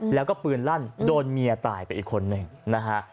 แล้วก็ปืนลั่นโดนเมียตายไปอีกคนหนึ่งนะฮะ